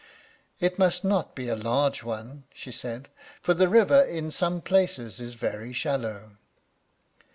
"It must not be a large one," she said, "for the river in some places is very shallow."